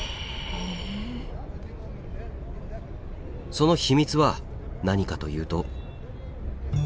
その秘密は何かというと。